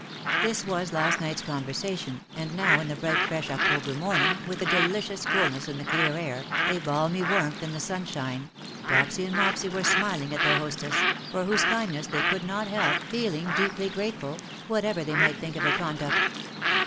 This was last night's conversation, and now in the bright fresh October morning, with a delicious coolness in the clear air, a balmy warmth in the sunshine, Dopsy and Mopsy were smiling at their hostess, for whose kindness they could not help 202 '^ HIS LADY SMILES ; feeling deeply grateful, whatever they might think of her conduct.